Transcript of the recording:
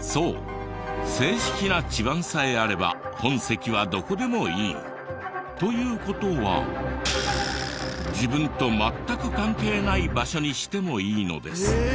そう正式な地番さえあれば本籍はどこでもいい。という事は自分と全く関係ない場所にしてもいいのです。